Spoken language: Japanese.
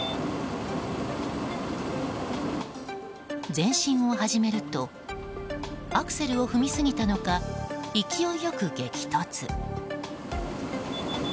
前進を始めるとアクセルを踏み過ぎたのか勢いよく激突！